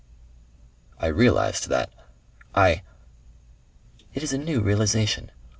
"I realized that. I " "It is a new realization.